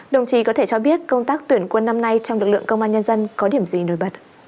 đồng chí có thể cho biết công tác tuyển quân năm nay trong lực lượng công an nhân dân có điểm gì nổi bật